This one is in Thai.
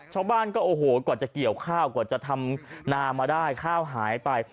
ชาวบ้านก็โอ้โหกว่าจะเกี่ยวข้าวกว่าจะทำนามาได้ข้าวหายไป